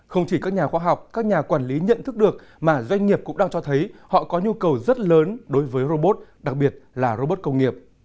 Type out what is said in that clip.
không chỉ các nhà khoa học các nhà quản lý nhận thức được mà doanh nghiệp cũng đang cho thấy họ có nhu cầu rất lớn đối với robot đặc biệt là robot công nghiệp